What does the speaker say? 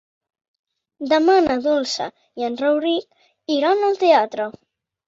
Demà na Dolça i en Rauric iran al teatre.